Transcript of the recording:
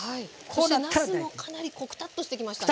そしてなすもかなりこうくたっとしてきましね。